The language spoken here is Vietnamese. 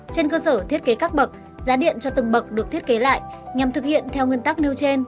trên cơ sở thiết kế các bậc giá điện cho từng bậc được thiết kế lại nhằm thực hiện theo nguyên tắc nêu trên